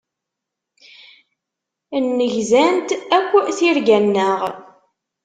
Nnegzant akk tirga-nneɣ.